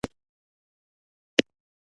ځانګړي نومځري په څو ډوله دي.